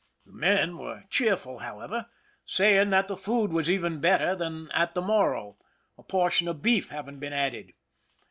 The men were cheerful, however, saying that the food was even better than at the Morro, a portion of beef having been added.